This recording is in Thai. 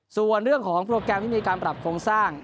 ส่วนเรื่องของโปรแกรมที่มีการปรับโครงสร้าง